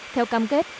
theo cam kết